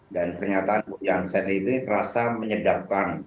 dan pernyataan bu jansen ini terasa menyedapkan